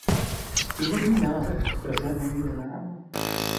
Původní název tvrze není znám.